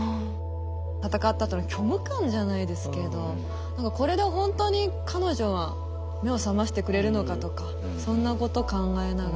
戦ったあとの虚無感じゃないですけど何かこれでほんとに彼女は目を覚ましてくれるのかとかそんなこと考えながら。